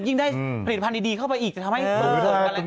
ยิ่งได้ผลิตภัณฑ์ดีเข้าไปอีกจะทำให้เกิดการรายการ